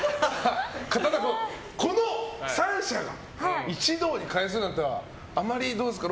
この３社が一堂に会するなんてことはあまり、どうですか？